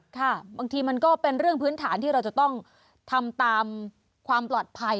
ค่ะบางทีมันก็เป็นเรื่องพื้นฐานที่เราจะต้องทำตามความปลอดภัย